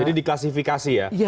jadi diklasifikasi ya